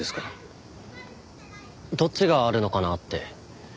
どっちがあるのかなって。